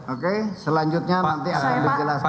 oke selanjutnya nanti akan dijelaskan